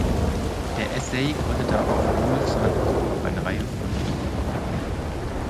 Der Essay gründet auf Woolfs Antworten auf eine Reihe von Briefen.